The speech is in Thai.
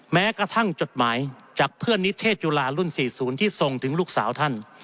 แม้กระทั่งจดหมายจากเพื่อนนิเทศจุฬารุ่น๔๐ที่ส่งถึงลูกสาวท่าน